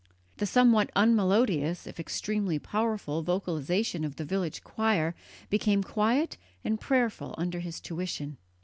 The somewhat unmelodious, if extremely powerful, vocalization of the village choir became quiet and prayerful under his tuition.